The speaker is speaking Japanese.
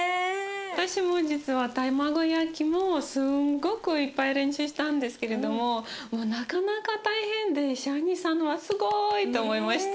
私も実は卵焼きもすごくいっぱい練習したんですけれどもなかなか大変でシャニさんのはすごいと思いました。